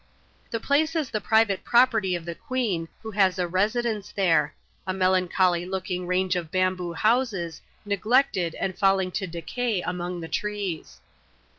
The place is the private property of the queen, who has a Ksidence there — a melancholy looking range of bamboo hou&es "^neglected aiid falling to decay among the trees.